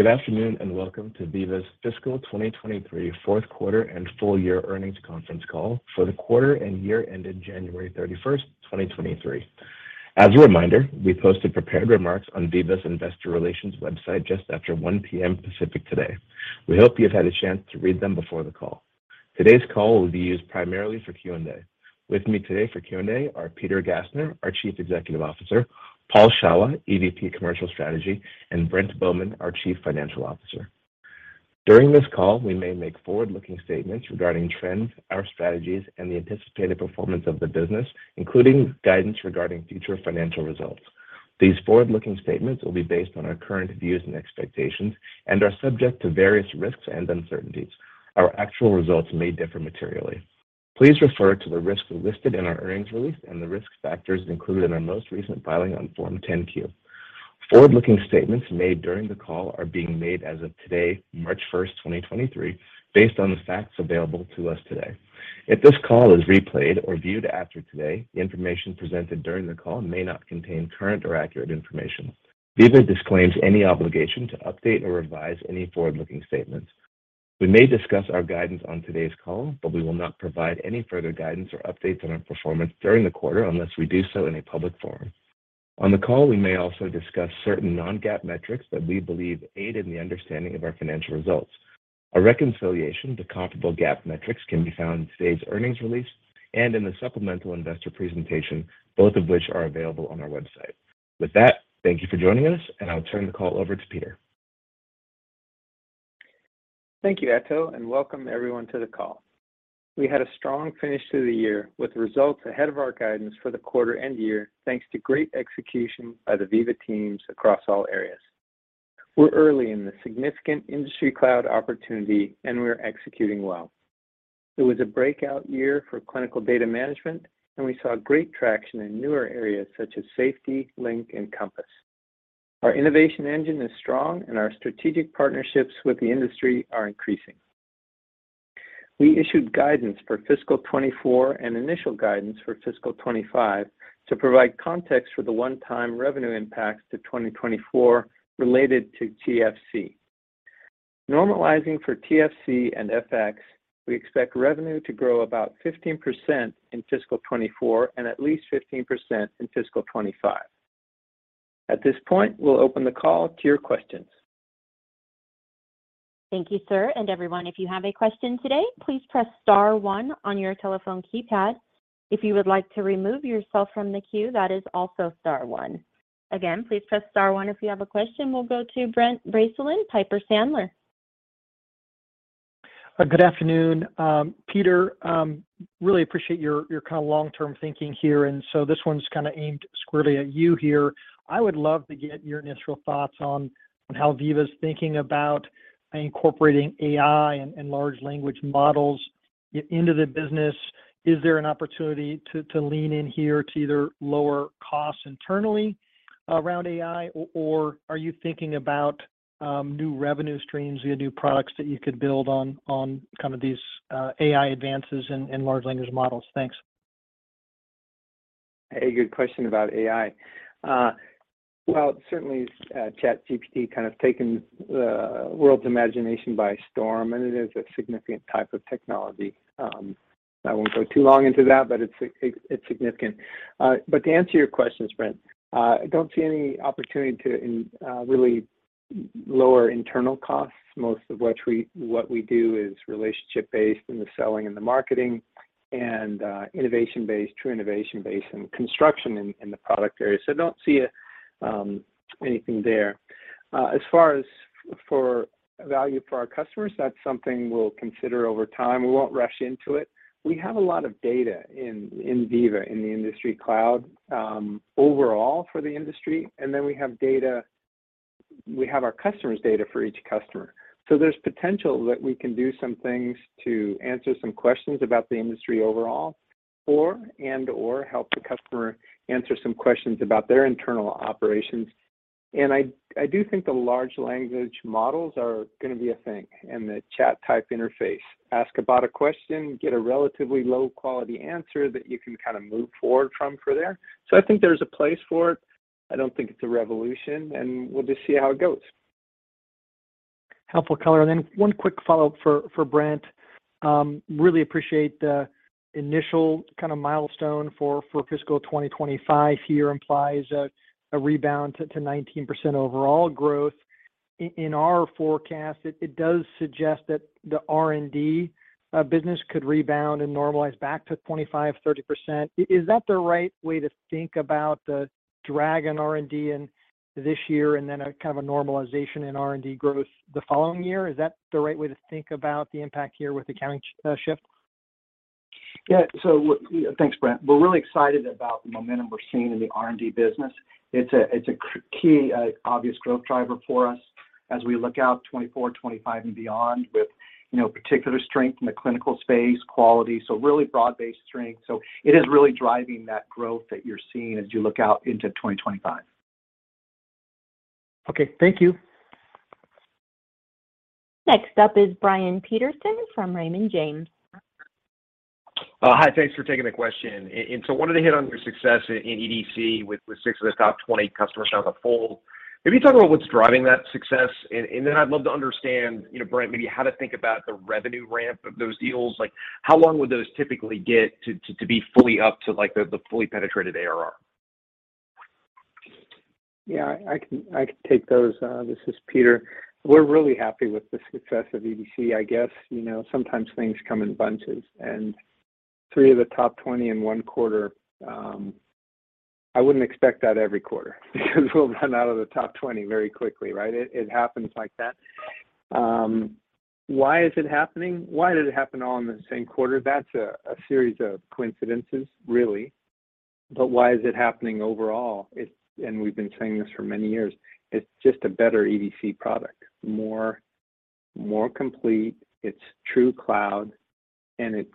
Good afternoon, and welcome to Veeva's fiscal 2023 Q4 and full year earnings conference call for the quarter and year ending January 31st, 2023. As a reminder, we posted prepared remarks on Veeva's Investor Relations website just after 1:00 P.M. Pacific today. We hope you've had a chance to read them before the call. Today's call will be used primarily for Q&A. With me today for Q&A are Peter Gassner, our Chief Executive Officer, Paul Shawah, EVP, Commercial Strategy, and Brent Bowman, our Chief Financial Officer. During this call, we may make forward-looking statements regarding trends, our strategies, and the anticipated performance of the business, including guidance regarding future financial results. These forward-looking statements will be based on our current views and expectations and are subject to various risks and uncertainties. Our actual results may differ materially. Please refer to the risks listed in our earnings release and the risk factors included in our most recent filing on Form 10-Q. Forward-looking statements made during the call are being made as of today, March 1, 2023, based on the facts available to us today. If this call is replayed or viewed after today, the information presented during the call may not contain current or accurate information. Veeva disclaims any obligation to update or revise any forward-looking statements. We may discuss our guidance on today's call, but we will not provide any further guidance or updates on our performance during the quarter unless we do so in a public forum. On the call, we may also discuss certain non-GAAP metrics that we believe aid in the understanding of our financial results. A reconciliation to comparable GAAP metrics can be found in today's earnings release and in the supplemental investor presentation, both of which are available on our website. With that, thank you for joining us, and I'll turn the call over to Peter. Thank you, Ato, welcome everyone to the call. We had a strong finish to the year with results ahead of our guidance for the quarter and year, thanks to great execution by the Veeva teams across all areas. We're early in the significant industry cloud opportunity, we're executing well. It was a breakout year for clinical data management, we saw great traction in newer areas such as Safety, Link, and Compass. Our innovation engine is strong, our strategic partnerships with the industry are increasing. We issued guidance for fiscal 2024 and initial guidance for fiscal 2025 to provide context for the one-time revenue impacts to 2024 related to TFC. Normalizing for TFC and FX, we expect revenue to grow about 15% in fiscal 2024 and at least 15% in fiscal 2025. At this point, we'll open the call to your questions. Thank you, sir. Everyone, if you have a question today, please press star one on your telephone keypad. If you would like to remove yourself from the queue, that is also star one. Again, please press star one if you have a question. We'll go to Brent Bracelin, Piper Sandler. Good afternoon. Peter, really appreciate your kinda long-term thinking here. This one's kinda aimed squarely at you here. I would love to get your initial thoughts on how Veeva's thinking about incorporating AI and large language models into the business. Is there an opportunity to lean in here to either lower costs internally around AI or are you thinking about new revenue streams via new products that you could build on kind of these AI advances and large language models? Thanks. A good question about AI. Well, certainly, ChatGPT kind of taken the world's imagination by storm, and it is a significant type of technology. I won't go too long into that, but it's significant. To answer your question, Brent, I don't see any opportunity to really lower internal costs. Most of what we do is relationship-based in the selling and the marketing and innovation-based, true innovation-based and construction in the product area. I don't see anything there. As far as for value for our customers, that's something we'll consider over time. We won't rush into it. We have a lot of data in Veeva, in the industry cloud, overall for the industry, and then we have our customers' data for each customer. There's potential that we can do some things to answer some questions about the industry overall for and/or help the customer answer some questions about their internal operations. I do think the large language models are gonna be a thing and the chat-type interface. Ask about a question, get a relatively low-quality answer that you can kinda move forward from for there. I think there's a place for it. I don't think it's a revolution, and we'll just see how it goes. Helpful color. One quick follow-up for Brent. Really appreciate the initial kinda milestone for fiscal 2025 here implies a rebound to 19% overall growth. In our forecast, it does suggest that the R&D business could rebound and normalize back to 25%, 30%. Is that the right way to think about the drag in R&D in this year and then a kind of a normalization in R&D growth the following year? Is that the right way to think about the impact here with the accounting shift? Thanks, Brent. We're really excited about the momentum we're seeing in the R&D business. It's a key obvious growth driver for us as we look out 2024, 2025, and beyond with, you know, particular strength in the clinical space, quality, so really broad-based strength. It is really driving that growth that you're seeing as you look out into 2025. Okay. Thank you. Next up is Brian Peterson from Raymond James. Hi. Thanks for taking the question. I wanted to hit on your success in EDC with 6 of the top 20 customers now on the fold. Can you talk about what's driving that success? I'd love to understand, you know, Brent, maybe how to think about the revenue ramp of those deals. Like, how long would those typically get to be fully up to, like, the fully penetrated ARR? Yeah, I can take those. This is Peter. We're really happy with the success of EDC. I guess, you know, sometimes things come in bunches, and three of the top 20 in Q1, I wouldn't expect that every quarter because we'll run out of the top 20 very quickly, right? It happens like that. Why is it happening? Why did it happen all in the same quarter? That's a series of coincidences, really. Why is it happening overall? We've been saying this for many years. It's just a better EDC product. More complete. It's true cloud, and it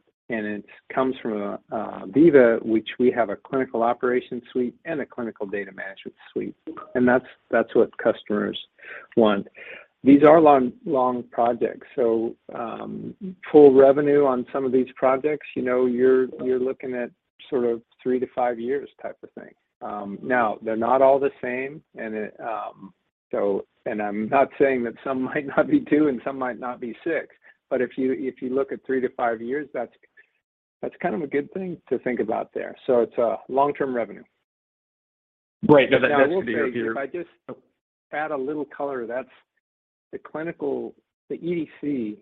comes from Veeva, which we have a clinical operations suite and a clinical data management suite. That's what customers want. These are long, long projects. Full revenue on some of these projects, you know, you're looking at sort of 3 to 5 years type of thing. Now they're not all the same and it. I'm not saying that some might not be 2 and some might not be 6, but if you, if you look at 3 to 5 years, that's kind of a good thing to think about there. It's long-term revenue. Right. No, that would be-. I will say, if I just add a little color, that's The EDC,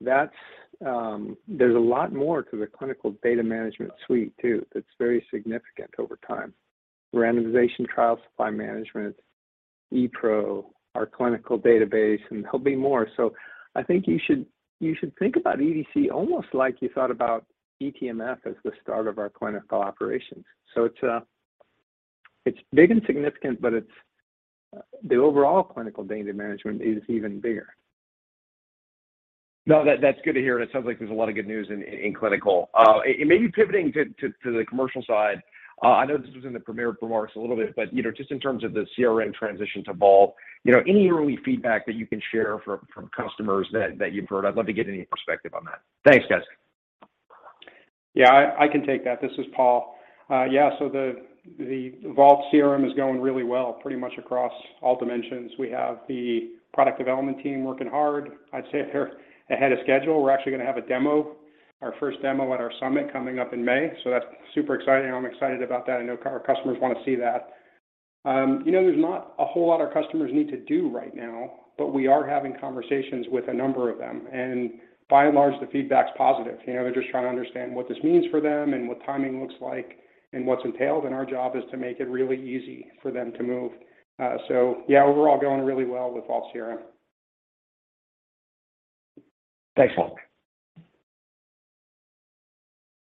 that's, there's a lot more to the clinical data management suite too, that's very significant over time. Randomization trials, supply management, ePRO, our clinical database, and there'll be more. I think you should think about EDC almost like you thought about eTMF as the start of our clinical operations. It's, it's big and significant, but the overall clinical data management is even bigger. No, that's good to hear, it sounds like there's a lot of good news in clinical. maybe pivoting to the commercial side, I know this was in the prepared remarks a little bit, but, you know, just in terms of the CRM transition to Vault, you know, any early feedback that you can share from customers that you've heard? I'd love to get any perspective on that. Thanks, guys. Yeah, I can take that. This is Paul. Yeah, the Vault CRM is going really well, pretty much across all dimensions. We have the product development team working hard. I'd say they're ahead of schedule. We're actually going to have a demo, our first demo at our summit coming up in May, that's super exciting, and I'm excited about that. I know our customers want to see that. You know, there's not a whole lot our customers need to do right now, but we are having conversations with a number of them. By and large, the feedback's positive. You know, they're just trying to understand what this means for them and what timing looks like and what's entailed, and our job is to make it really easy for them to move. Yeah, overall going really well with Vault CRM. Thanks, Paul.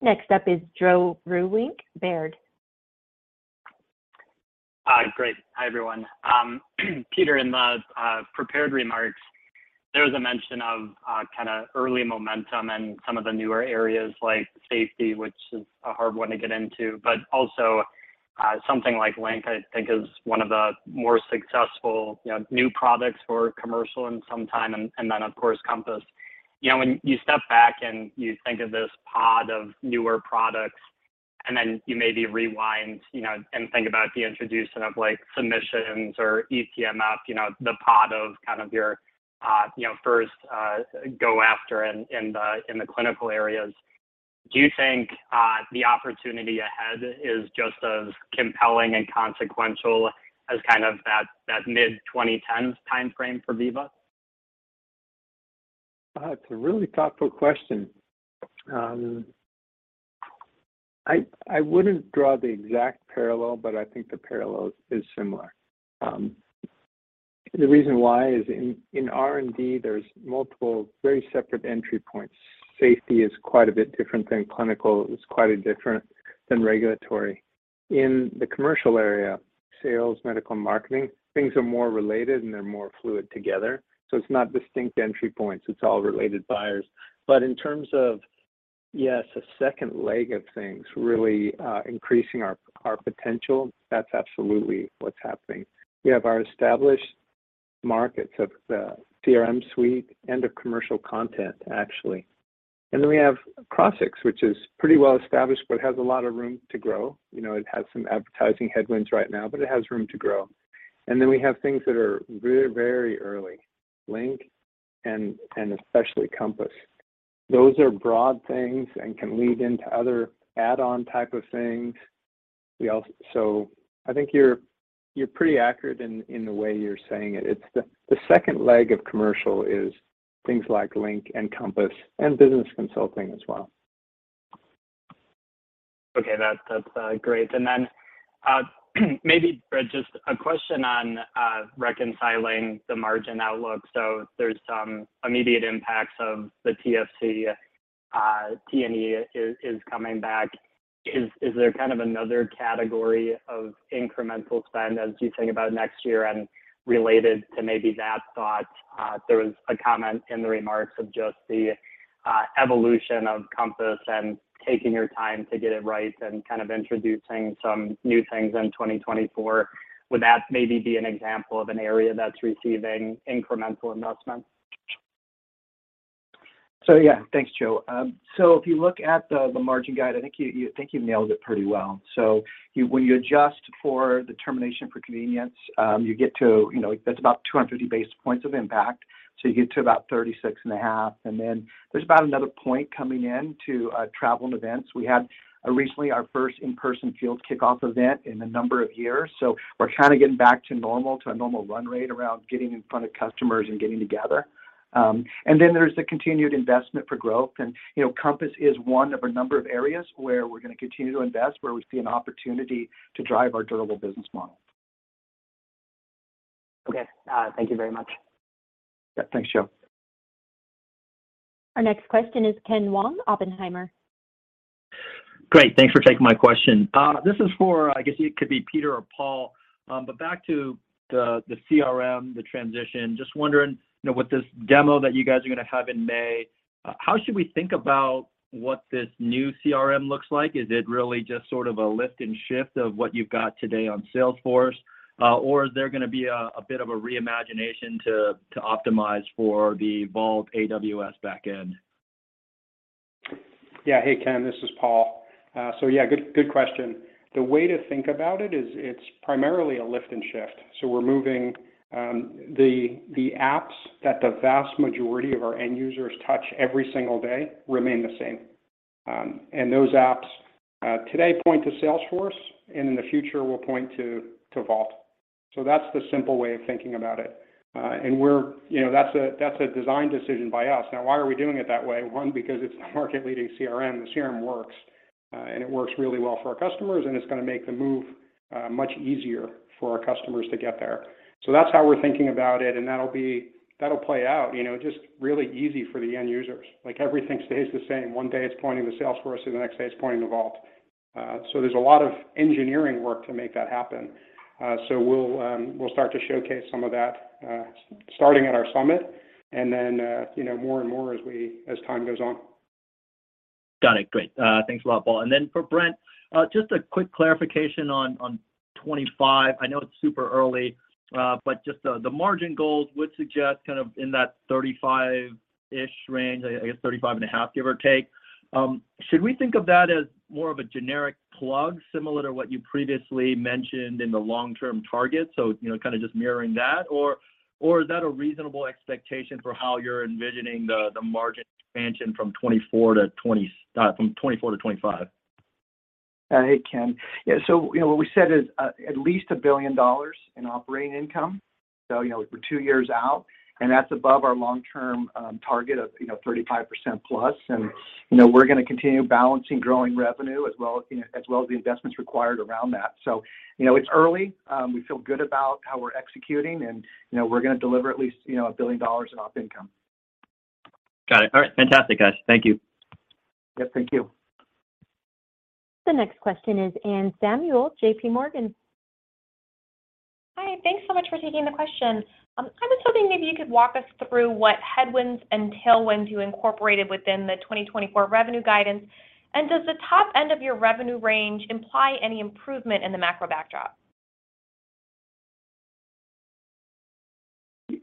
Next up is Joe Vruwink, Baird. Great. Hi, everyone. Peter, in the prepared remarks, there was a mention of kind of early momentum in some of the newer areas like Vault Safety, which is a hard one to get into, but also something like Link, I think is one of the more successful, you know, new products for commercial in some time, and then of course, Compass. You know, when you step back and you think of this pod of newer products, and then you maybe rewind, you know, and think about the introduction of, like, submissions or eTMF, you know, the pod of kind of your, you know, first go after in the clinical areas, do you think the opportunity ahead is just as compelling and consequential as kind of that mid-2010s timeframe for Veeva? That's a really thoughtful question. I wouldn't draw the exact parallel, but I think the parallel is similar. The reason why is in R&D, there's multiple very separate entry points. Safety is quite a bit different than clinical. It's quite a different than regulatory. In the commercial area, sales, medical marketing, things are more related, and they're more fluid together. It's not distinct entry points. It's all related buyers. In terms of, yes, a second leg of things really, increasing our potential, that's absolutely what's happening. We have our established markets of the CRM suite and of commercial content, actually. Then we have Crossix, which is pretty well established, but has a lot of room to grow. You know, it has some advertising headwinds right now, but it has room to grow. Then we have things that are very early, Link and especially Compass. Those are broad things and can lead into other add-on type of things. I think you're pretty accurate in the way you're saying it. It's the second leg of commercial is things like Link and Compass and business consulting as well. Okay. That's great. maybe just a question on reconciling the margin outlook. there's some immediate impacts of the TFC, T&E is coming back. Is there kind of another category of incremental spend as you think about next year? related to maybe that thought, there was a comment in the remarks of just the evolution of Compass and taking your time to get it right and kind of introducing some new things in 2024. Would that maybe be an example of an area that's receiving incremental investment? Yeah. Thanks, Joe. If you look at the margin guide, I think you nailed it pretty well. When you adjust for the termination for convenience, you get to, you know, that's about 250 basis points of impact, so you get to about 36.5%. Then there's about another 1% coming in to travel and events. We had recently our first in-person field kickoff event in a number of years, so we're kinda getting back to normal, to a normal run rate around getting in front of customers and getting together. Then there's the continued investment for growth. You know, Compass is one of a number of areas where we're gonna continue to invest, where we see an opportunity to drive our durable business model. Okay. thank you very much. Yeah. Thanks, Joe. Our next question is Ken Wong, Oppenheimer. Great. Thanks for taking my question. This is for, I guess, it could be Peter or Paul. Back to the CRM, the transition, just wondering, you know, with this demo that you guys are gonna have in May, how should we think about what this new CRM looks like? Is it really just sort of a lift and shift of what you've got today on Salesforce, or is there gonna be a bit of a reimagination to optimize for the Vault AWS backend? Yeah. Hey, Ken. This is Paul. Yeah, good question. The way to think about it is it's primarily a lift and shift, so we're moving the apps that the vast majority of our end users touch every single day remain the same. Those apps today point to Salesforce, and in the future will point to Vault. That's the simple way of thinking about it. We're... You know, that's a, that's a design decision by us. Now, why are we doing it that way? One, because it's a market-leading CRM. The CRM works, and it works really well for our customers, and it's gonna make the move much easier for our customers to get there. That's how we're thinking about it, and that'll play out, you know, just really easy for the end users. Everything stays the same. One day it's pointing to Salesforce, and the next day it's pointing to Vault. There's a lot of engineering work to make that happen. We'll start to showcase some of that, starting at our summit and then, you know, more and more as time goes on. Got it. Great. Thanks a lot, Paul. For Brent, just a quick clarification on 2025. I know it's super early, just the margin goals would suggest kind of in that 35-ish% range, I guess 35.5%, give or take. Should we think of that as more of a generic plug similar to what you previously mentioned in the long-term target, so, you know, kind of just mirroring that, or is that a reasonable expectation for how you're envisioning the margin expansion from 2024 to 2025? Hey, Ken. Yeah. You know, what we said is at least $1 billion in operating income. You know, we're 2 years out, and that's above our long-term target of, you know, 35% plus. You know, we're gonna continue balancing growing revenue as well, you know, as well as the investments required around that. You know, it's early. We feel good about how we're executing, and, you know, we're gonna deliver at least, you know, $1 billion in op income. Got it. All right. Fantastic, guys. Thank you. Yep. Thank you. The next question is Anne Samuel, J.P. Morgan. Hi. Thanks so much for taking the question. I was hoping maybe you could walk us through what headwinds and tailwinds you incorporated within the 2024 revenue guidance? Does the top end of your revenue range imply any improvement in the macro backdrop?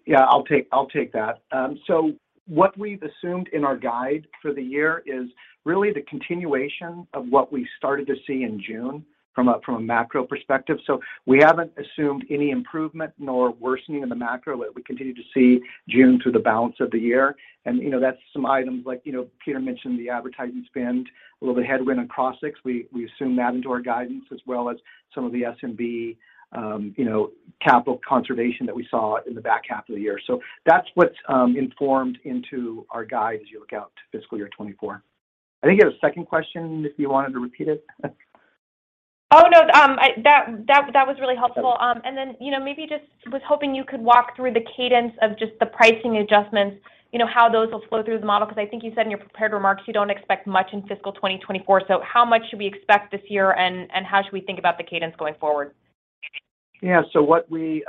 Yeah, I'll take that. What we've assumed in our guide for the year is really the continuation of what we started to see in June from a macro perspective. We haven't assumed any improvement nor worsening in the macro that we continue to see June through the balance of the year. You know, that's some items like, you know, Peter mentioned the advertising spend, a little bit of headwind on Crossix. We assume that into our guidance as well as some of the SMB, you know, capital conservation that we saw in the back half of the year. That's what's informed into our guide as you look out to fiscal year 2024. I think you had a second question, if you wanted to repeat it. Oh, no. That was really helpful. You know, maybe just was hoping you could walk through the cadence of just the pricing adjustments, you know, how those will flow through the model. 'Cause I think you said in your prepared remarks you don't expect much in fiscal 2024. How much should we expect this year, and how should we think about the cadence going forward? Yeah. What we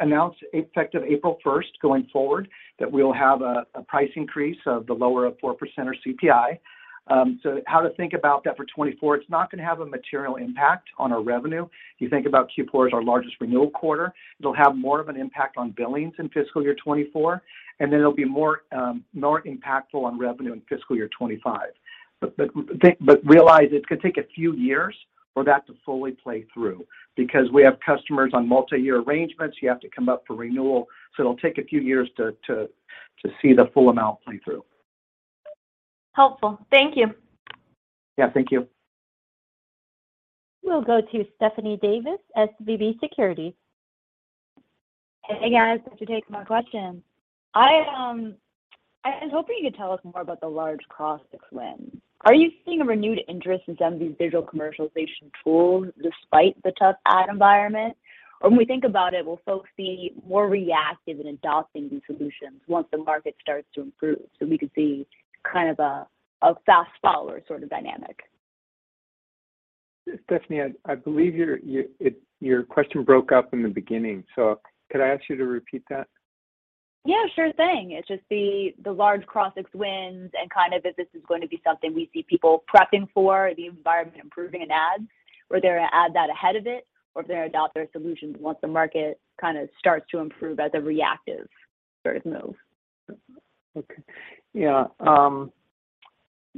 announced effective April 1st going forward that we'll have a price increase of the lower of 4% or CPI. How to think about that for 2024, it's not going to have a material impact on our revenue. You think about Q4 as our largest renewal quarter. It'll have more of an impact on billings in fiscal year 2024, and then it'll be more impactful on revenue in fiscal year 2025. Realize it could take a few years for that to fully play through. We have customers on multiyear arrangements, you have to come up for renewal, so it'll take a few years to see the full amount play through. Helpful. Thank you. Yeah. Thank you. We'll go to Stephanie Davis, SVB Securities. Hey, guys. Thanks for taking my question. I was hoping you could tell us more about the large Crossix wins. Are you seeing a renewed interest in some of these digital commercialization tools despite the tough ad environment? When we think about it, will folks be more reactive in adopting these solutions once the market starts to improve, so we could see kind of a fast follower sort of dynamic? Stephanie, I believe your question broke up in the beginning, so could I ask you to repeat that? Yeah, sure thing. It's just the large Crossix wins and kind of if this is going to be something we see people prepping for, the environment improving in ads. Were they gonna add that ahead of it, or do they adopt their solutions once the market kinda starts to improve as a reactive sort of move? Okay. Yeah.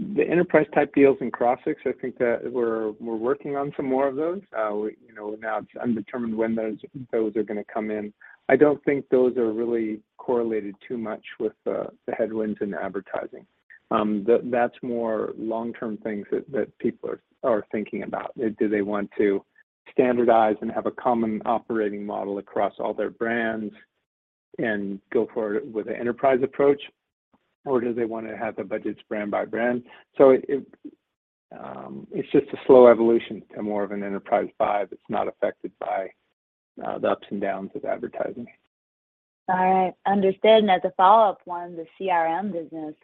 The enterprise type deals in Crossix, I think that we're working on some more of those. We, you know, now it's undetermined when those are gonna come in. I don't think those are really correlated too much with the headwinds in advertising. That's more long-term things that people are thinking about. Do they want to standardize and have a common operating model across all their brands and go forward with the enterprise approach, or do they wanna have the budgets brand by brand? It's just a slow evolution to more of an enterprise buy that's not affected by the ups and downs of advertising. All right. Understood. As a follow-up one, the CRM business.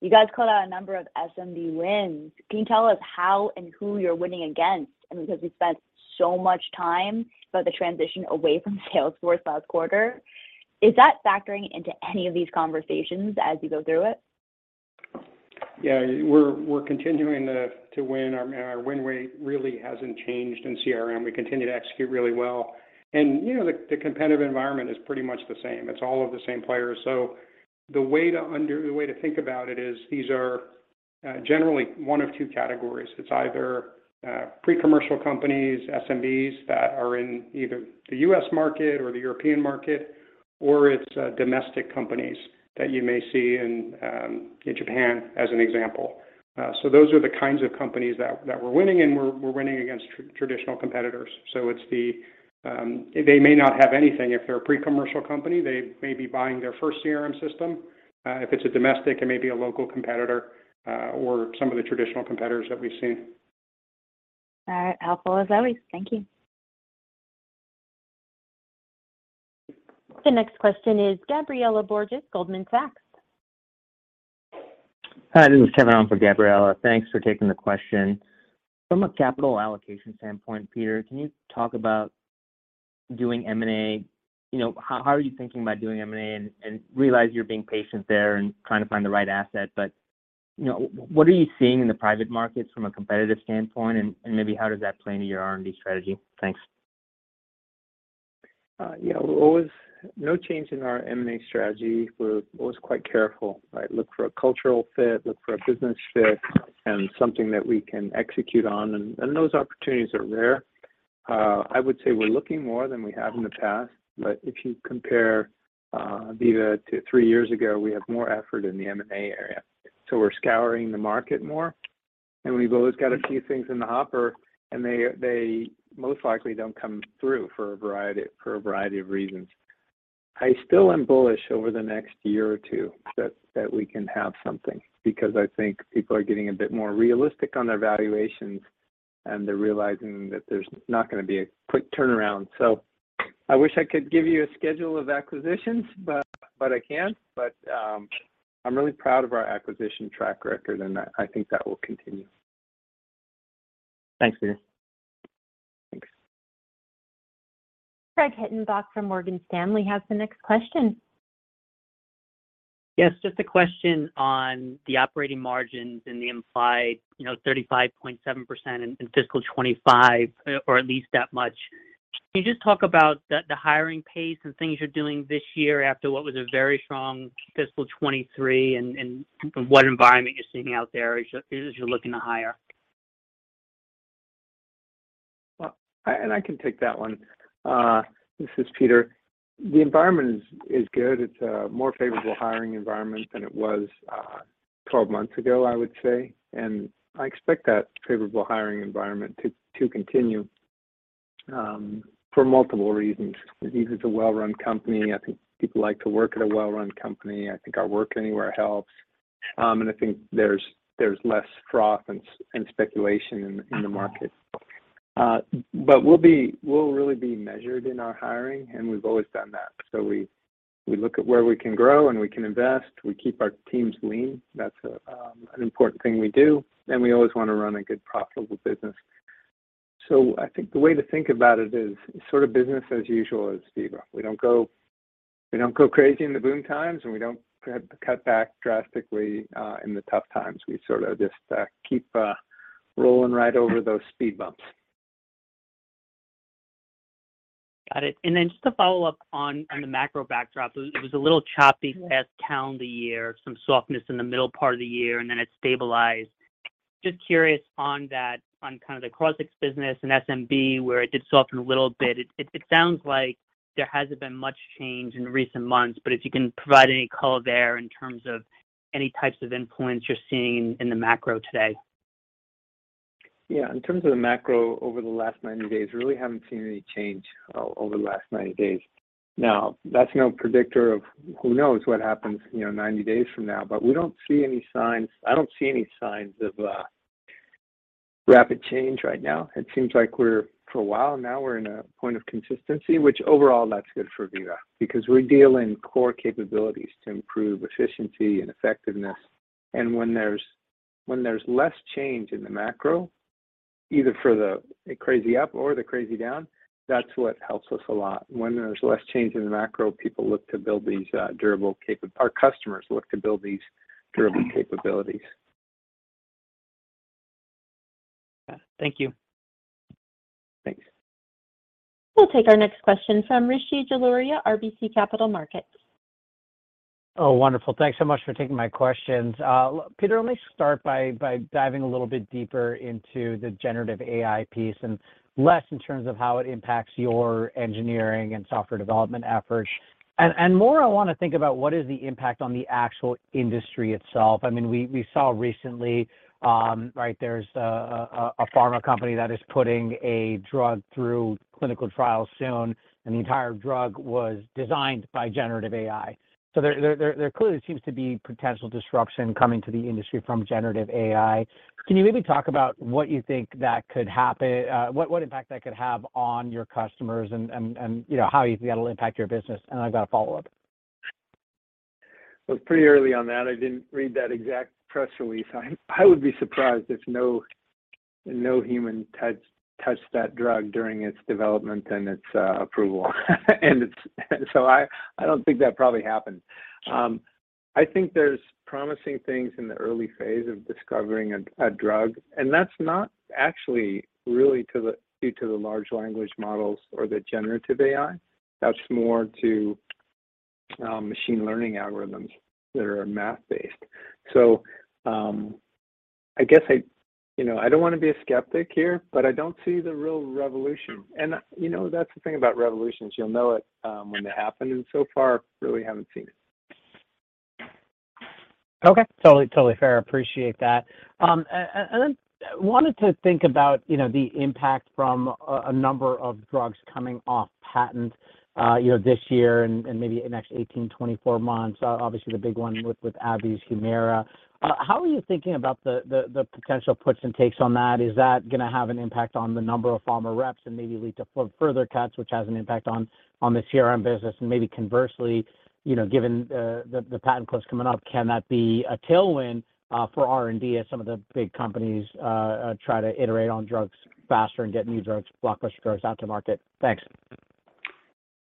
You guys called out a number of SMB wins. Can you tell us how and who you're winning against? I mean, because we spent so much time about the transition away from Salesforce last quarter. Is that factoring into any of these conversations as you go through it? We're continuing to win. I mean, our win rate really hasn't changed in CRM. We continue to execute really well. You know, the competitive environment is pretty much the same. It's all of the same players. The way to think about it is these are generally one of two categories. It's either pre-commercial companies, SMBs that are in either the US. market or the European market, or it's domestic companies that you may see in Japan as an example. Those are the kinds of companies that we're winning and we're winning against traditional competitors. It's the, they may not have anything if they're a pre-commercial company. They may be buying their first CRM system. If it's a domestic, it may be a local competitor, or some of the traditional competitors that we've seen. All right. Helpful as always. Thank you. The next question is Gabriela Borges, Goldman Sachs. Hi, this is Kevin on for Gabriela. Thanks for taking the question. From a capital allocation standpoint, Peter, can you talk about doing M&A? You know, how are you thinking about doing M&A? And realize you're being patient there and trying to find the right asset. You know, what are you seeing in the private markets from a competitive standpoint and maybe how does that play into your R&D strategy? Thanks. Yeah, we're always... No change in our M&A strategy. We're always quite careful, right? Look for a cultural fit, look for a business fit, and something that we can execute on and those opportunities are rare. I would say we're looking more than we have in the past, but if you compare Veeva to 3 years ago, we have more effort in the M&A area. We're scouring the market more, and we've always got a few things in the hopper, and they most likely don't come through for a variety of reasons. I still am bullish over the next year or 2 that we can have something because I think people are getting a bit more realistic on their valuations, and they're realizing that there's not gonna be a quick turnaround. I wish I could give you a schedule of acquisitions, but I can't. I'm really proud of our acquisition track record, and I think that will continue. Thanks, Peter. Thanks. Craig Hettenbach from Morgan Stanley has the next question. Just a question on the operating margins and the implied, you know, 35.7% in fiscal 2025, or at least that much. Can you just talk about the hiring pace and things you're doing this year after what was a very strong fiscal 2023 and what environment you're seeing out there as you're looking to hire? I can take that one. This is Peter. The environment is good. It's a more favorable hiring environment than it was 12 months ago, I would say. I expect that favorable hiring environment to continue for multiple reasons. Veeva's a well-run company. I think people like to work at a well-run company. I think our work anywhere helps. I think there's less froth and speculation in the market. We'll really be measured in our hiring, and we've always done that. We look at where we can grow and we can invest. We keep our teams lean. That's an important thing we do. We always wanna run a good profitable business. I think the way to think about it is sort of business as usual as Veeva. We don't go crazy in the boom times, and we don't cut back drastically, in the tough times. We sort of just keep rolling right over those speed bumps. Got it. Then just to follow up on the macro backdrop. It was a little choppy last calendar year, some softness in the middle part of the year, and then it stabilized. Just curious on that, on kind of the Crossix business and SMB, where it did soften a little bit. It sounds like there hasn't been much change in recent months, but if you can provide any color there in terms of any types of influence you're seeing in the macro today? Yeah. In terms of the macro over the last 90 days, we really haven't seen any change over the last 90 days. That's no predictor of who knows what happens, you know, 90 days from now. We don't see any signs... I don't see any signs of rapid change right now. It seems like we're, for a while now, we're in a point of consistency, which overall that's good for Veeva because we deal in core capabilities to improve efficiency and effectiveness. When there's less change in the macro, either for the crazy up or the crazy down, that's what helps us a lot. When there's less change in the macro, people look to build these, our customers look to build these durable capabilities. Yeah. Thank you. We'll take our next question from Rishi Jaluria, RBC Capital Markets. Wonderful. Thanks so much for taking my questions. Peter, let me start by diving a little bit deeper into the Generative AI piece and less in terms of how it impacts your engineering and software development efforts and more I wanna think about what is the impact on the actual industry itself. I mean, we saw recently, right, there's a pharma company that is putting a drug through clinical trials soon, and the entire drug was designed by Generative AI. There clearly seems to be potential disruption coming to the industry from Generative AI. Can you maybe talk about what you think that could happen, what impact that could have on your customers and, you know, how easily that'll impact your business? I've got a follow-up. Well, pretty early on that, I didn't read that exact press release. I would be surprised if no human touched that drug during its development and its approval. I don't think that probably happened. I think there's promising things in the early phase of discovering a drug, and that's not actually really due to the large language models or the generative AI. That's more to machine learning algorithms that are math-based. You know, I don't wanna be a skeptic here, but I don't see the real revolution. You know, that's the thing about revolutions. You'll know it when they happen, and so far really haven't seen it. Okay. Totally, totally fair. Appreciate that. Wanted to think about, you know, the impact from a number of drugs coming off patent, you know, this year and maybe the next 18, 24 months. Obviously the big one with AbbVie's Humira. How are you thinking about the potential puts and takes on that? Is that gonna have an impact on the number of pharma reps and maybe lead to further cuts, which has an impact on the CRM business? Maybe conversely, you know, given the patent cliffs coming up, can that be a tailwind for R&D as some of the big companies try to iterate on drugs faster and get new drugs, blockbuster drugs out to market? Thanks.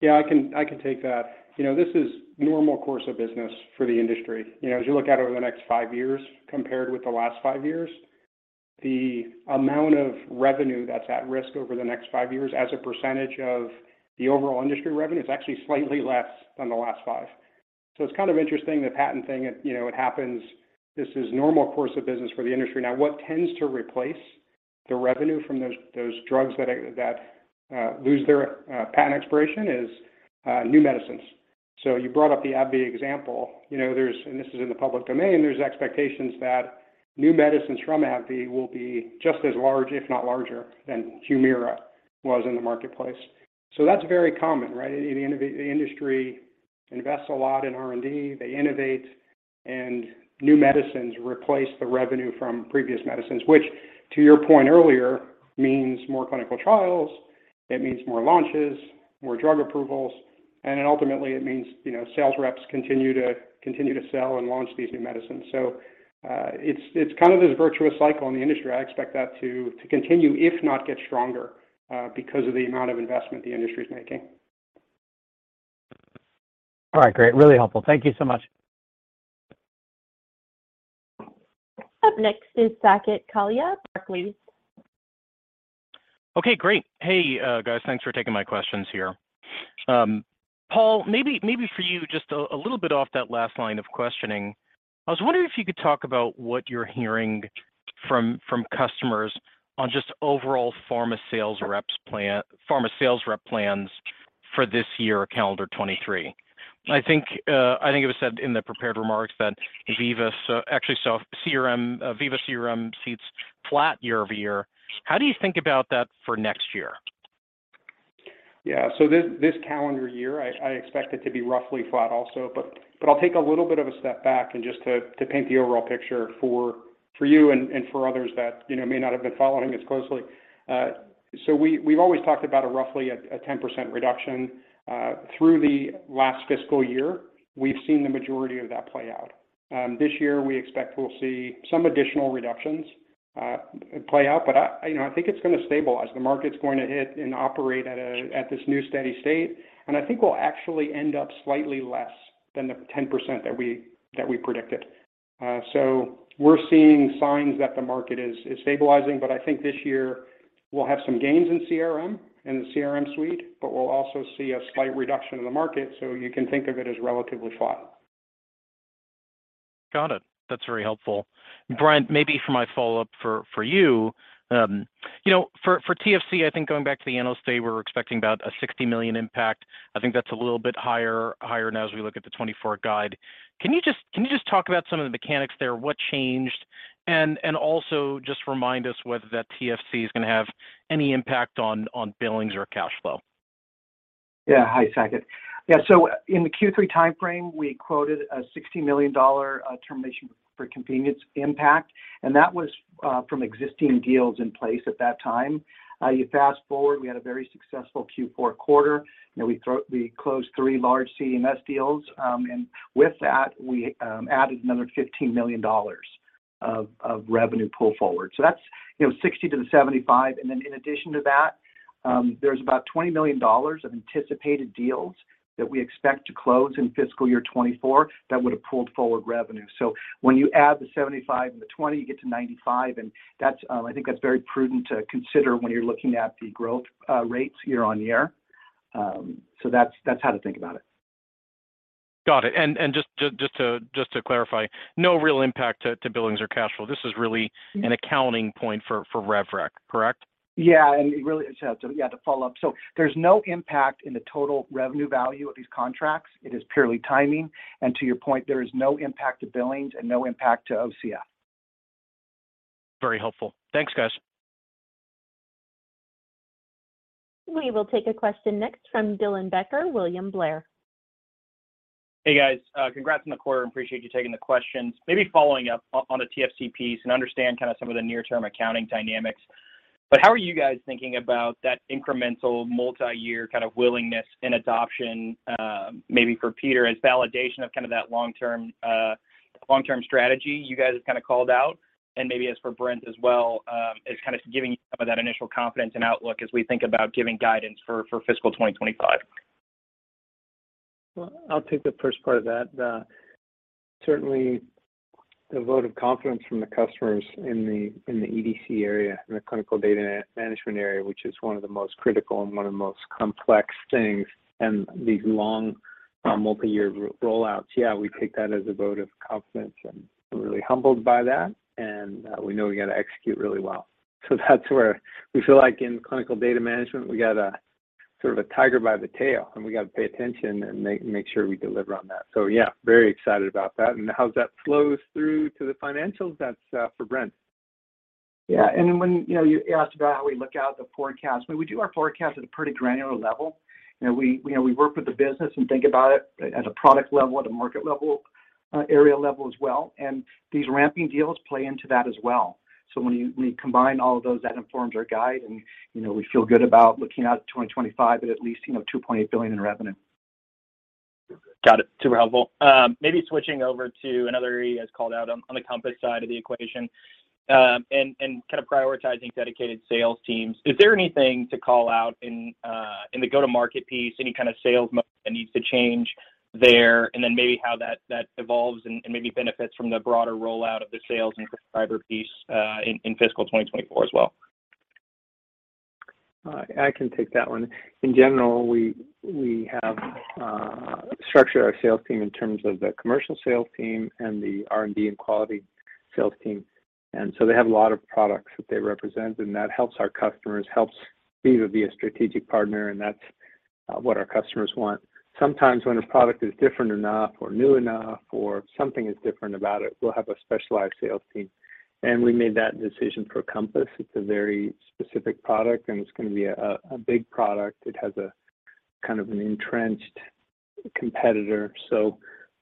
Yeah, I can take that. You know, this is normal course of business for the industry. You know, as you look out over the next 5-years compared with the last 5-years, the amount of revenue that's at risk over the next 5 years as a percentage of the overall industry revenue is actually slightly less than the last 5. It's kind of interesting, the patent thing. You know, it happens. This is normal course of business for the industry. What tends to replace the revenue from those drugs that are that lose their patent expiration is new medicines. You brought up the AbbVie example. You know, this is in the public domain. There's expectations that new medicines from AbbVie will be just as large, if not larger, than Humira was in the marketplace. That's very common, right? The industry invests a lot in R&D, they innovate, and new medicines replace the revenue from previous medicines, which to your point earlier, means more clinical trials, it means more launches, more drug approvals, and then ultimately it means, you know, sales reps continue to sell and launch these new medicines. It's, it's kind of this virtuous cycle in the industry. I expect that to continue, if not get stronger, because of the amount of investment the industry's making. All right, great. Really helpful. Thank you so much. Up next is Saket Kalia, Barclays. Okay, great. Hey, guys. Thanks for taking my questions here. Paul, maybe for you, just a little bit off that last line of questioning, I was wondering if you could talk about what you're hearing from customers on just overall pharma sales rep plans for this year, calendar 2023. I think it was said in the prepared remarks that Veeva's actually saw CRM, Veeva CRM seats flat year-over-year. How do you think about that for next year? Yeah. This calendar year, I expect it to be roughly flat also, but I'll take a little bit of a step back and just to paint the overall picture for you and for others that, you know, may not have been following as closely. We've always talked about a roughly a 10% reduction, through the last fiscal year. We've seen the majority of that play out. This year we expect we'll see some additional reductions, play out, but I, you know, I think it's gonna stabilize. The market's going to hit and operate at this new steady state, and I think we'll actually end up slightly less than the 10% that we predicted. We're seeing signs that the market is stabilizing, but I think this year we'll have some gains in CRM, in the CRM suite, but we'll also see a slight reduction in the market, so you can think of it as relatively flat. Got it. That's very helpful. Brian, maybe for my follow-up for you. You know, for TFC, I think going back to the analyst day, we're expecting about a $60 million impact. I think that's a little bit higher now as we look at the 2024 guide. Can you just talk about some of the mechanics there? What changed? Also just remind us whether that TFC is gonna have any impact on billings or cash flow. Hi, Saket Kalia. In the Q3 timeframe, we quoted a $60 million termination for convenience impact, and that was from existing deals in place at that time. You fast-forward, we had a very successful Q4 quarter. You know, we closed three large CMS deals. And with that, we added another $15 million of revenue pull forward. That's, you know, $60 to $75, and then in addition to that, there's about $20 million of anticipated deals that we expect to close in fiscal year 2024 that would have pulled forward revenue. When you add the $75 and the $20, you get to $95, and that's, I think that's very prudent to consider when you're looking at the growth rates year-over-year. That's how to think about it. Got it. Just to clarify, no real impact to billings or cash flow. This is really an accounting point for rev rec, correct? Yeah. It really is. Yeah, to follow up. There's no impact in the total revenue value of these contracts. It is purely timing. To your point, there is no impact to billings and no impact to OCF. Very helpful. Thanks, guys. We will take a question next from Dylan Becker, William Blair. Hey, guys. Congrats on the quarter, appreciate you taking the questions. Maybe following up on the TFC piece and understand kind of some of the near-term accounting dynamics. How are you guys thinking about that incremental multi-year kind of willingness and adoption, maybe for Peter, as validation of kind of that long-term strategy you guys have kinda called out and maybe as for Brent as well, as kind of giving you some of that initial confidence and outlook as we think about giving guidance for fiscal 2025? Well, I'll take the first part of that. Certainly the vote of confidence from the customers in the EDC area, in the clinical data management area, which is one of the most critical and one of the most complex things and these long, multi-year roll-outs. Yeah, we take that as a vote of confidence and really humbled by that. We know we got to execute really well. That's where we feel like in clinical data management, we got a sort of a tiger by the tail, and we got to pay attention and make sure we deliver on that. Yeah, very excited about that. How that flows through to the financials, that's for Brent. Yeah. When, you know, you asked about how we look out the forecast. We do our forecast at a pretty granular level. You know, we, you know, we work with the business and think about it at a product level, at a market level, area level as well. These ramping deals play into that as well. When we combine all of those that informs our guide and, you know, we feel good about looking out at 2025 at least, you know, $2.8 billion in revenue. Got it. Super helpful. maybe switching over to another area as called out on the Compass side of the equation, and kind of prioritizing dedicated sales teams. Is there anything to call out in the go-to-market piece, any kind of sales model that needs to change there, and then maybe how that evolves and maybe benefits from the broader rollout of the sales and prescriber piece in fiscal 2024 as well? I can take that one. In general, we have structured our sales team in terms of the commercial sales team and the R&D and quality sales team. They have a lot of products that they represent, and that helps our customers, helps Veeva be a strategic partner, and that's what our customers want. Sometimes when a product is different enough or new enough or something is different about it, we'll have a specialized sales team. We made that decision for Compass. It's a very specific product, and it's going to be a big product. It has a kind of an entrenched competitor.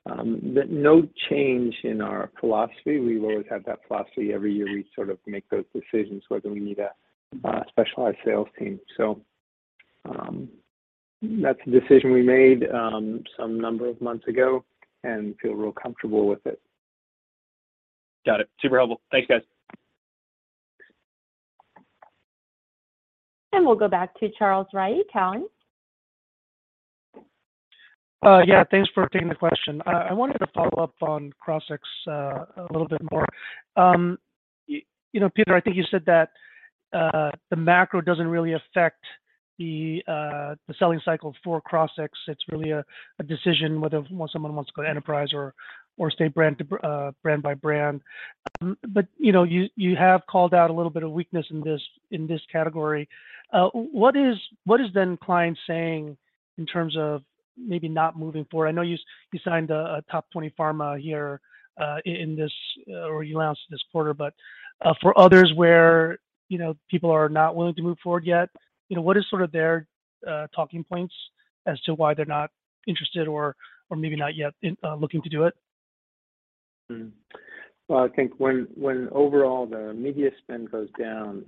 No change in our philosophy. We've always had that philosophy. Every year, we sort of make those decisions whether we need a specialized sales team. That's a decision we made, some number of months ago and feel real comfortable with it. Got it. Super helpful. Thanks, guys. We'll go back to Charles Rhyee, Cowen. Yeah, thanks for taking the question. I wanted to follow up on Crossix a little bit more. You know, Peter, I think you said that the macro doesn't really affect the selling cycle for Crossix. It's really a decision whether when someone wants to go to enterprise or stay brand by brand. You know, you have called out a little bit of weakness in this, in this category. What is then clients saying in terms of maybe not moving forward? I know you signed a top 20 pharma here in this, or you launched this quarter. For others where, you know, people are not willing to move forward yet, you know, what is sort of their talking points as to why they're not interested or maybe not yet looking to do it? I think when overall the media spend goes down,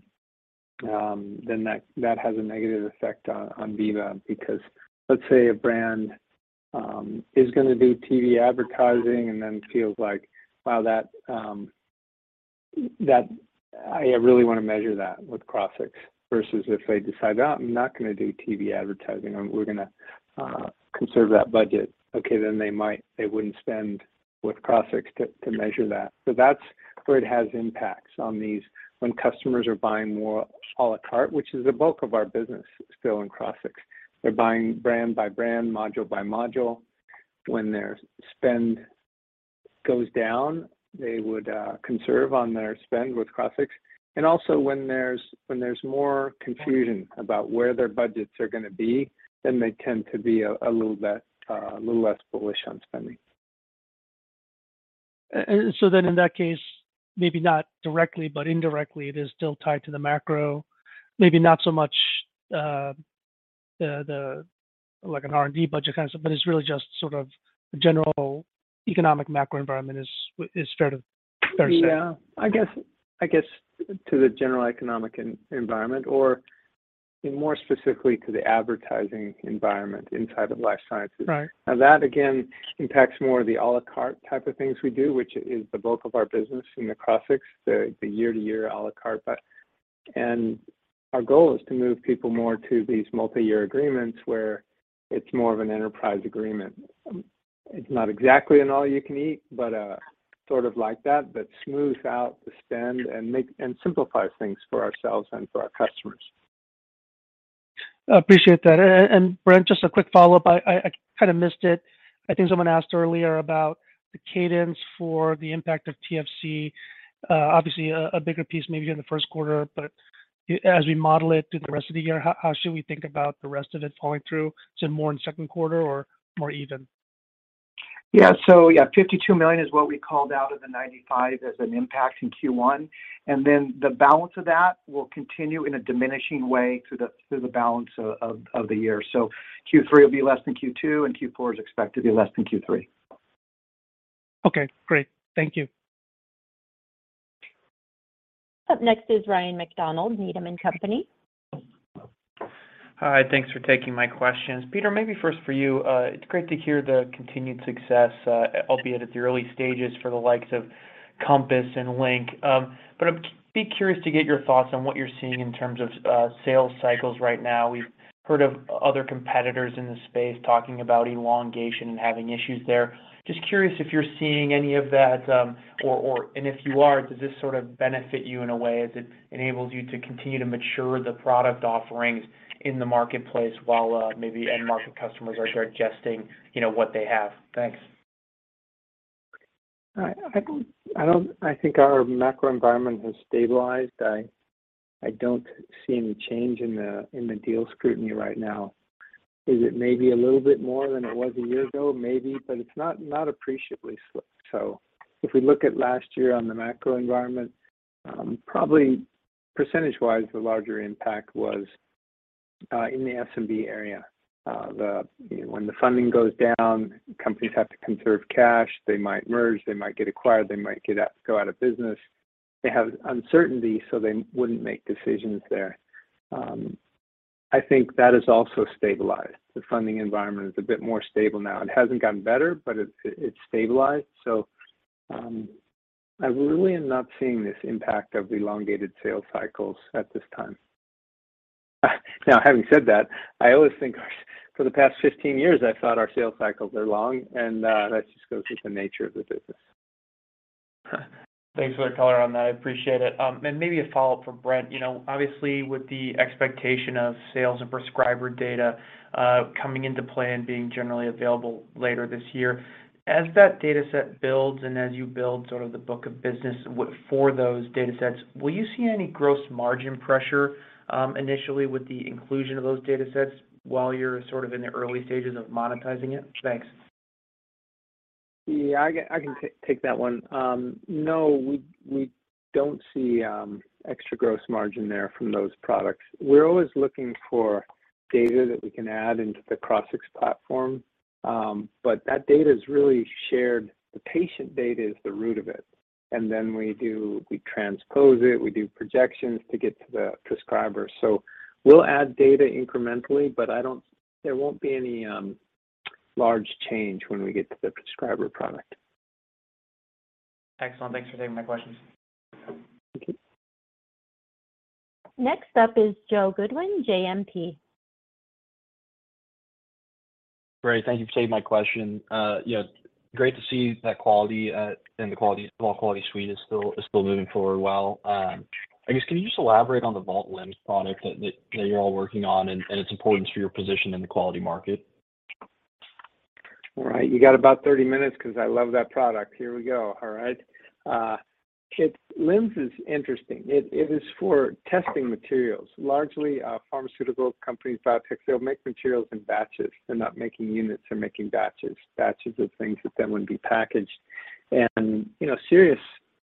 that has a negative effect on Veeva because let's say a brand is gonna do TV advertising and then feels like, wow, that I really want to measure that with Crossix versus if they decide, oh, I'm not going to do TV advertising, and we're gonna conserve that budget. They wouldn't spend with Crossix to measure that. That's where it has impacts on these when customers are buying more à la carte, which is the bulk of our business still in Crossix. They're buying brand by brand, module by module. When their spend goes down, they would conserve on their spend with Crossix. Also when there's more confusion about where their budgets are gonna be, then they tend to be a little less bullish on spending. In that case, maybe not directly but indirectly, it is still tied to the macro, maybe not so much, the, like an R&D budget kind of stuff, but it's really just sort of general economic macro environment is fair to say. Yeah. I guess to the general economic environment or more specifically to the advertising environment inside of life sciences. Right. That again impacts more of the à la carte type of things we do, which is the bulk of our business in the Crossix, the year-to-year à la carte. Our goal is to move people more to these multi-year agreements where it's more of an enterprise agreement. It's not exactly an all-you-can-eat, but sort of like that, but smooth out the spend and make and simplify things for ourselves and for our customers. Appreciate that. Brent, just a quick follow-up. I kinda missed it. I think someone asked earlier about the cadence for the impact of TFC. Obviously a bigger piece maybe in the first quarter, but as we model it through the rest of the year, how should we think about the rest of it following through? Is it more in second quarter or more even? Yeah, $52 million is what we called out of the $95 as an impact in Q1. The balance of that will continue in a diminishing way through the balance of the year. Q3 will be less than Q2. Q4 is expected to be less than Q3. Okay, great. Thank you. Up next is Ryan MacDonald, Needham & Company. Hi. Thanks for taking my questions. Peter, maybe first for you, it's great to hear the continued success, albeit at the early stages for the likes of Compass and Link. I'd be curious to get your thoughts on what you're seeing in terms of sales cycles right now. We've heard of other competitors in this space talking about elongation and having issues there. Just curious if you're seeing any of that, or if you are, does this sort of benefit you in a way as it enables you to continue to mature the product offerings in the marketplace while maybe end market customers are digesting, you know, what they have? Thanks. I don't think our macro environment has stabilized. I don't see any change in the deal scrutiny right now. Is it maybe a little bit more than it was a year ago? Maybe, but it's not appreciably so. If we look at last year on the macro environment, probably percentage-wise, the larger impact was in the SMB area. The, you know, when the funding goes down, companies have to conserve cash. They might merge, they might get acquired, they might go out of business. They have uncertainty, so they wouldn't make decisions there. I think that has also stabilized. The funding environment is a bit more stable now. It hasn't gotten better, but it's stabilized. I really am not seeing this impact of elongated sales cycles at this time. Having said that, I always think For the past 15 years, I thought our sales cycles are long, and that just goes with the nature of the business. Thanks for the color on that. I appreciate it. Maybe a follow-up from Brent. You know, obviously, with the expectation of sales and prescriber data, coming into play and being generally available later this year, as that data set builds and as you build sort of the book of business for those datasets, will you see any gross margin pressure, initially with the inclusion of those datasets while you're sort of in the early stages of monetizing it? Thanks. Yeah, I can take that one. No, we don't see extra gross margin there from those products. We're always looking for data that we can add into the Crossix platform, but that data is really shared. The patient data is the root of it, and then we transpose it, we do projections to get to the prescriber. We'll add data incrementally, but there won't be any large change when we get to the prescriber product. Excellent. Thanks for taking my questions. Thank you. Next up is Joe Goodwin, JMP. Great. Thank you for taking my question. Yeah, great to see that quality, and the quality suite is still moving forward well. I guess, can you just elaborate on the Vault LIMS product that you're all working on and its importance for your position in the quality market? All right. You got about 30 minutes 'cause I love that product. Here we go. All right. LIMS is interesting. It is for testing materials, largely, pharmaceutical companies, biotech. They'll make materials in batches. They're not making units, they're making batches of things that then would be packaged. You know, serious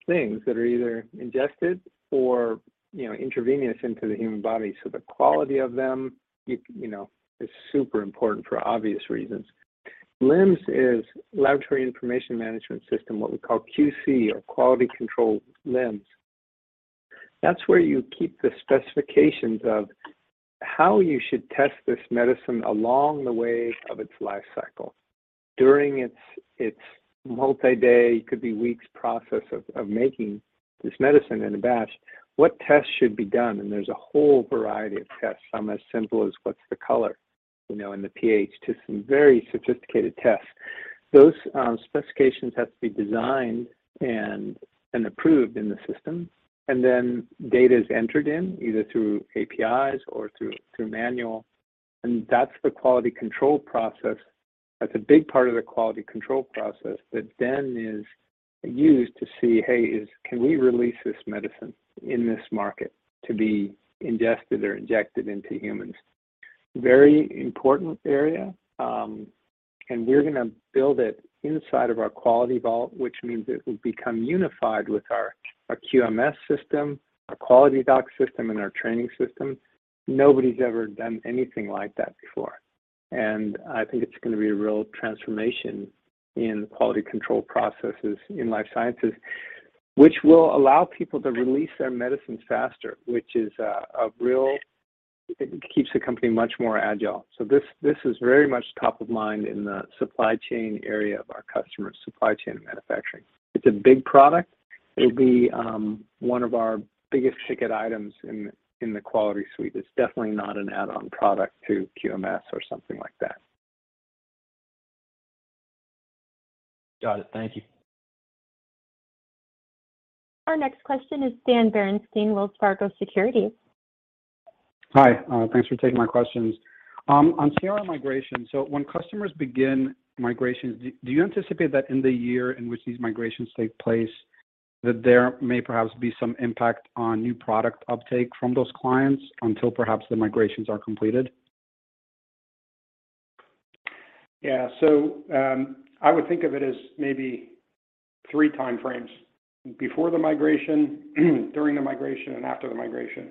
things that are either ingested or, you know, intravenous into the human body, so the quality of them, you know, is super important for obvious reasons. LIMS is Laboratory Information Management System, what we call QC or quality control LIMS. That's where you keep the specifications of how you should test this medicine along the way of its life cycle. During its multi-day, could be weeks process of making this medicine in a batch, what tests should be done? There's a whole variety of tests, from as simple as what's the color, you know, and the pH, to some very sophisticated tests. Those specifications have to be designed and approved in the system, and then data is entered in either through APIs or through manual, and that's the quality control process. That's a big part of the quality control process that then is used to see, hey, can we release this medicine in this market to be ingested or injected into humans? Very important area, we're gonna build it inside of our quality vault, which means it will become unified with our QMS system, our QualityDocs system, and our training system. Nobody's ever done anything like that before, I think it's gonna be a real transformation in quality control processes in life sciences, which will allow people to release their medicines faster, which is a real. It keeps the company much more agile. This is very much top of mind in the supply chain area of our customers, supply chain and manufacturing. It's a big product. It'll be one of our biggest ticket items in the quality suite. It's definitely not an add-on product to QMS or something like that. Got it. Thank you. Our next question is Stan Berenshteyn, Wells Fargo Securities. Hi, thanks for taking my questions. On CRM migration, when customers begin migrations, do you anticipate that in the year in which these migrations take place, that there may perhaps be some impact on new product uptake from those clients until perhaps the migrations are completed? Yeah. I would think of it as maybe three time frames: before the migration, during the migration, and after the migration.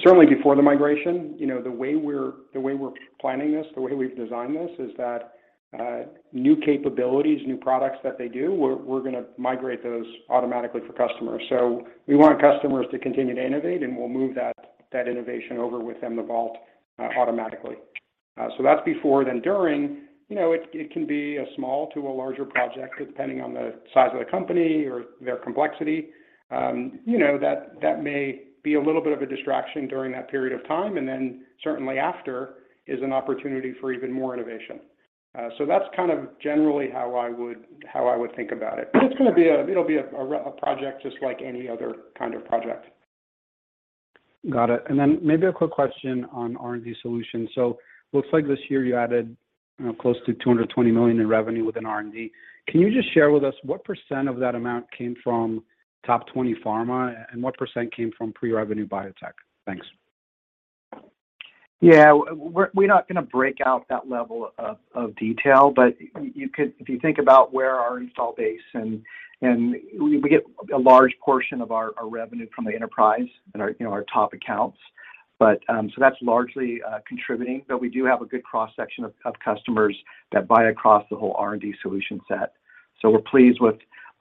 Certainly before the migration, you know, the way we're planning this, the way we've designed this is that new capabilities, new products that they do, we're gonna migrate those automatically for customers. We want customers to continue to innovate, and we'll move that innovation over with them to Vault automatically. That's before. During, you know, it can be a small to a larger project depending on the size of the company or their complexity. You know, that may be a little bit of a distraction during that period of time. Certainly after is an opportunity for even more innovation. That's kind of generally how I would, how I would think about it. It's gonna be a project just like any other kind of project. Got it. Maybe a quick question on R&D solutions. Looks like this year you added, you know, close to $220 million in revenue within R&D. Can you just share with us what % of that amount came from top 20 pharma, and what % came from pre-revenue biotech? Thanks. Yeah. We're not gonna break out that level of detail, but you could if you think about where our install base and we get a large portion of our revenue from the enterprise and our, you know, our top accounts. That's largely contributing, but we do have a good cross-section of customers that buy across the whole R&D solution set. We're pleased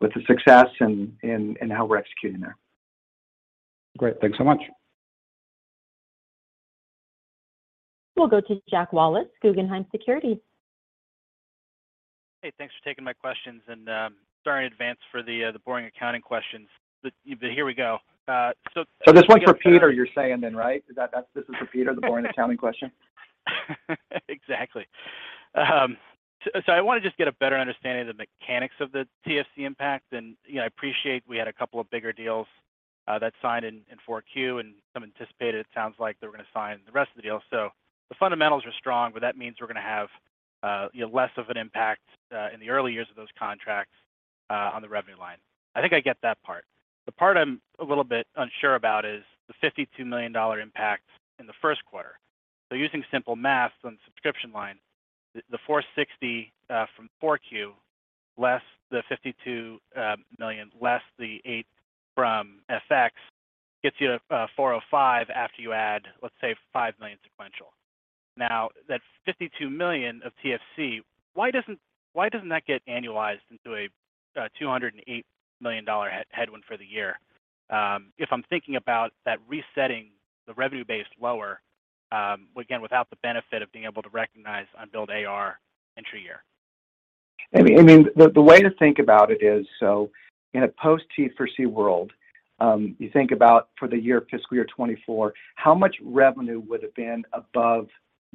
with the success and how we're executing there. Great. Thanks so much. We'll go to Jack Wallace, Guggenheim Securities. Hey, thanks for taking my questions. Sorry in advance for the boring accounting questions, but here we go. This one's for Peter you're saying then, right? This is for Peter, the boring accounting question? Exactly. I wanna just get a better understanding of the mechanics of the TFC impact. You know, I appreciate we had a couple of bigger deals that signed in four Q, and some anticipated, it sounds like, that we're gonna sign the rest of the deals. The fundamentals are strong, but that means we're gonna have, you know, less of an impact in the early years of those contracts on the revenue line. I think I get that part. The part I'm a little bit unsure about is the $52 million impact in the Q1. Using simple math on subscription line, the $460 from 4 Q, less the $52 million, less the $8 from FX, gets you $405 after you add, let's say, $5 million sequential. That $52 million of TFC, why doesn't that get annualized into a $208 million headwind for the year, if I'm thinking about that resetting the revenue base lower, again, without the benefit of being able to recognize unbilled AR intra-year? I mean, the way to think about it is, in a post TFC world, you think about for the year, fiscal year 2024, how much revenue would have been above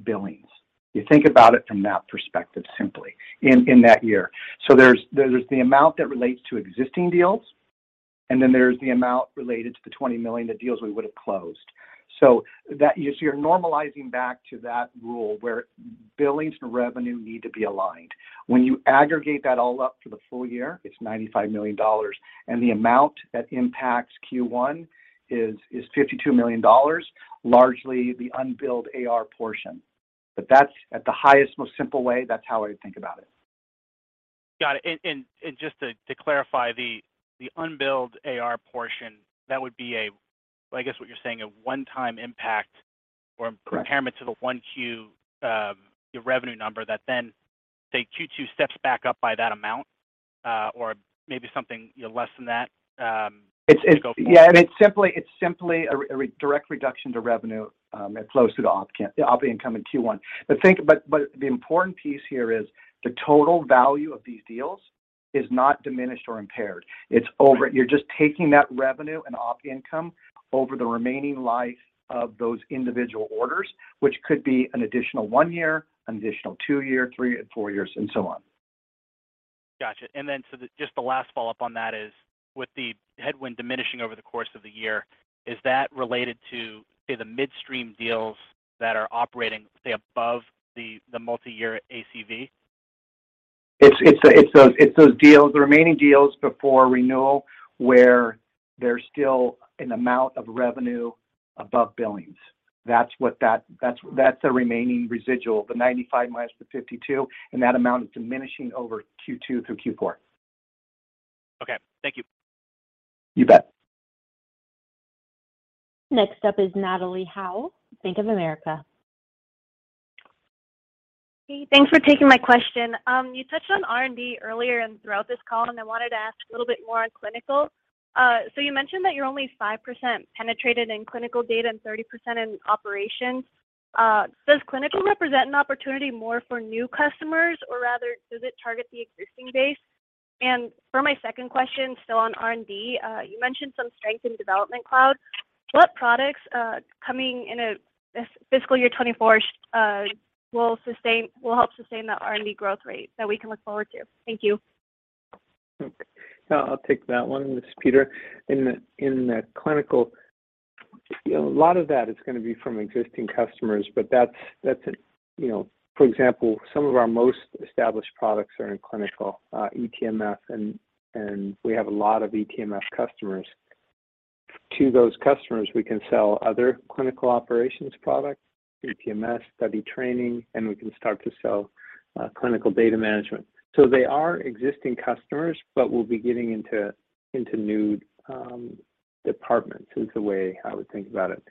billings? You think about it from that perspective simply in that year. There's the amount that relates to existing deals, and then there's the amount related to the $20 million of deals we would have closed. You're normalizing back to that rule where billings and revenue need to be aligned. When you aggregate that all up for the full year, it's $95 million, and the amount that impacts Q1 is $52 million, largely the unbilled AR portion. That's at the highest, most simple way, that's how I would think about it. Got it. Just to clarify, the unbilled AR portion, that would be a, I guess, what you're saying, a one-time impact? Correct... impairment to the 1Q, your revenue number that then say Q2 steps back up by that amount, or maybe something, you know, less than that, as we go forward. It's simply a direct reduction to revenue that flows through the operating income in Q1. The important piece here is the total value of these deals is not diminished or impaired. It's over- Right. You're just taking that revenue and op income over the remaining life of those individual orders, which could be an additional one year, an additional two year, three, four years, and so on. Gotcha. Just the last follow-up on that is with the headwind diminishing over the course of the year, is that related to, say, the midstream deals that are operating, say, above the multi-year ACV? It's those deals, the remaining deals before renewal, where there's still an amount of revenue above billings. That's the remaining residual, the 95 minus the 52, and that amount is diminishing over Q2 through Q4. Okay. Thank you. You bet. Next up is Natalie Howe, Bank of America. Hey, thanks for taking my question. You touched on R&D earlier and throughout this call, and I wanted to ask a little bit more on clinical. You mentioned that you're only 5% penetrated in clinical data and 30% in operations. Does clinical represent an opportunity more for new customers, or rather does it target the existing base? For my second question, on R&D, you mentioned some strength in Development Cloud. What products coming in fiscal year 2024 will help sustain the R&D growth rate that we can look forward to? Thank you. Okay. I'll take that one. This is Peter. In the clinical, you know, a lot of that is gonna be from existing customers, but that's a, you know... For example, some of our most established products are in clinical eTMF, and we have a lot of eTMF customers. To those customers, we can sell other clinical operations products, eTMS, study training, and we can start to sell clinical data management. They are existing customers, but we'll be getting into new departments is the way I would think about it.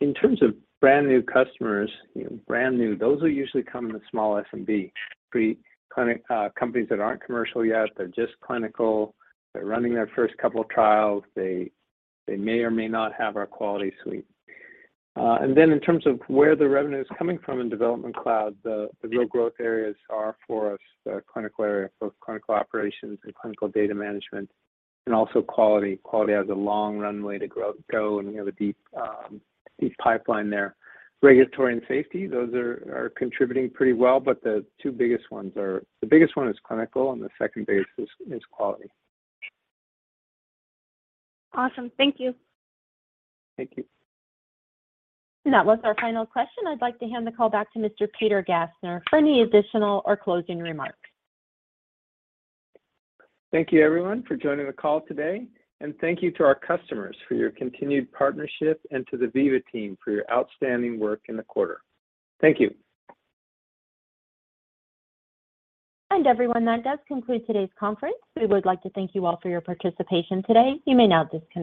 In terms of brand-new customers, you know, brand new, those will usually come in the small SMB. Preclinicalcompanies that aren't commercial yet, they're just clinical. They're running their first couple of trials. They may or may not have our quality suite. In terms of where the revenue is coming from in Development Cloud, the real growth areas are for us, the clinical area, both clinical operations and clinical data management and also Quality. Quality has a long runway to grow, and we have a deep pipeline there. Regulatory and Safety, those are contributing pretty well, but the two biggest ones are. The biggest one is Clinical, and the second biggest is Quality. Awesome. Thank you. Thank you. That was our final question. I'd like to hand the call back to Mr. Peter Gassner for any additional or closing remarks. Thank you, everyone, for joining the call today, and thank you to our customers for your continued partnership and to the Veeva team for your outstanding work in the quarter. Thank you. Everyone, that does conclude today's conference. We would like to thank you all for your participation today. You may now disconnect.